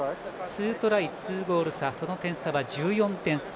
２トライ２ゴール差その点差は１４点差。